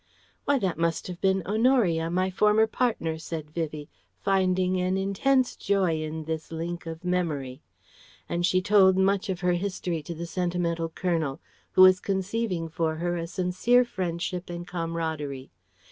"Why, that must have been Honoria, my former partner," said Vivie, finding an intense joy in this link of memory. And she told much of her history to the sentimental Colonel, who was conceiving for her a sincere friendship and camaraderie.